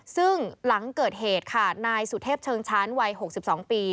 ซึ่งหลังเกิดเหตุค่ะนายสุเทพเชิงชั้นวัย๖๒ปี